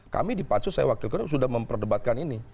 kami di pansus saya waktu itu sudah memperdebatkan ini